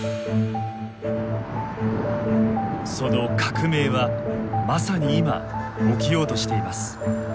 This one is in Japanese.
その革命はまさに今起きようとしています。